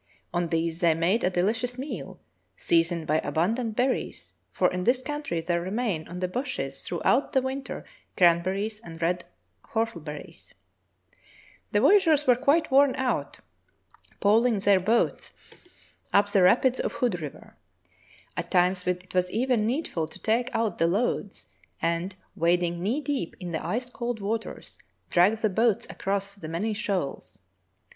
On these they made a delicious meal, seasoned by abundant berries, for in this country there remain on the bushes throughout the winter cranber ries and red whortleberries. The voyageurs were quite worn out poling their boats True Tales of Arctic Heroism up the rapids of Hood River. At times it was even need ful to take out the loads and, wading knee deep in the ice cold waters, drag the boats across the many shoals.